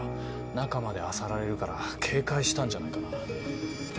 中まであさられるから警戒したんじゃないかな。